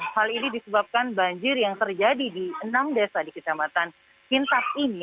hal ini disebabkan banjir yang terjadi di enam desa di kecamatan kintap ini